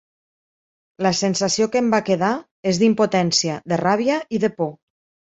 La sensació que em va quedar és d’impotència, de ràbia i de por.